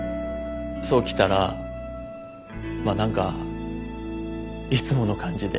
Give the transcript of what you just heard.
想来たらまあ何かいつもの感じで。